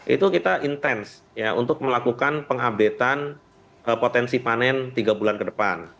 itu kita intens untuk melakukan pengupdatean potensi panen tiga bulan ke depan